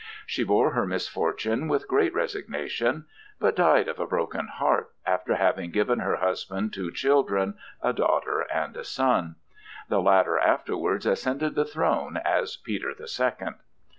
She bore her misfortune with great resignation; but died of a broken heart, after having given her husband two children, a daughter and a son. The latter afterwards ascended the throne as Peter the Second.